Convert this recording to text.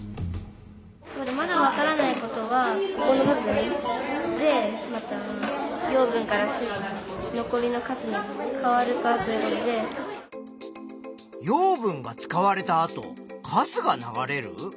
まだわからないことはここの部分でまた養分が使われたあとかすが流れる？